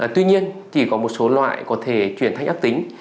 tuy nhiên chỉ có một số loại có thể chuyển thành áp tính